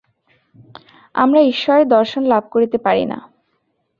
আমরা ঈশ্বরের দর্শন লাভ করিতে পারি না।